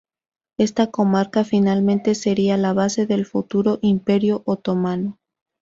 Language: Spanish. Esta comarca finalmente sería la base del futuro Imperio otomano.